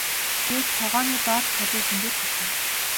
гээд тогооны доод талын хөндийд харлаа.